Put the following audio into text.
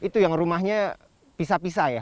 itu yang rumahnya pisah pisah ya